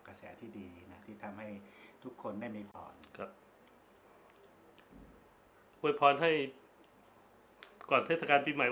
กระแสที่ดีนะที่ทำให้ทุกคนได้มีพรก็อวยพรให้ก่อนเทศกาลปีใหม่